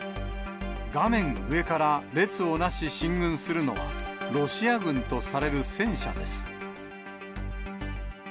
画面上から列を成し、進軍するのは、ロシア軍とされる戦車です。